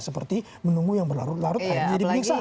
seperti menunggu yang berlarut larut akhirnya jadi penyiksaan